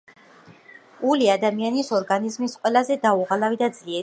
ული ადამიანის ორგანიზმის ყველაზე დაუღალავი და ძლიერი „ძრავაა